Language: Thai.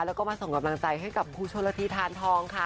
แล้วก็มาส่งกำลังใจให้กับครูชนละทีทานทองค่ะ